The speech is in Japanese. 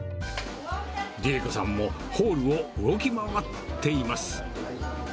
理恵子さんもホールを動き回っています。